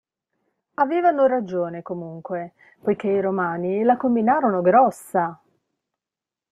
Avevano ragione comunque, poiché i Romani la combinarono grossa.